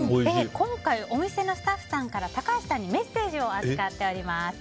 今回、お店のスタッフさんから高橋さんにメッセージを預かっております。